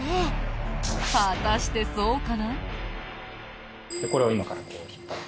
果たしてそうかな？